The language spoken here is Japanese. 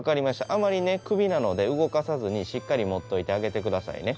あんまりね首なので動かさずにしっかり持っといてあげて下さいね。